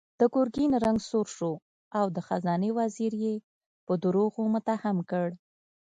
د ګرګين رنګ سور شو او د خزانې وزير يې په دروغو متهم کړ.